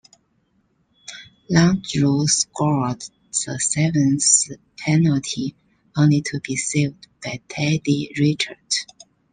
Landreau scored the seventh penalty, only to be saved by Teddy Richert.